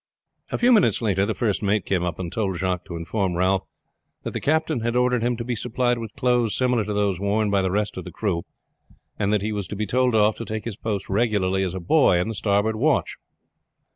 A few minutes later the first mate came up and told Jacques to inform Ralph that the captain had ordered him to be supplied with clothes similar to those worn by the rest of the crew, and that he was to be told off to take his post regularly as a boy in the starboard watch.